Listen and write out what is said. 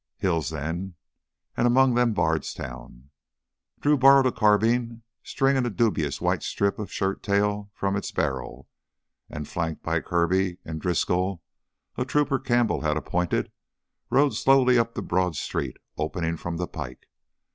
Hills then, and among them Bardstown. Drew borrowed a carbine, stringing a dubiously white strip of shirt tail from its barrel, and flanked by Kirby and Driscoll, a trooper Campbell had appointed, rode slowly up the broad street opening from the pike.